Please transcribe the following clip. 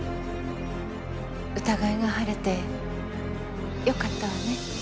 疑いが晴れてよかったわね。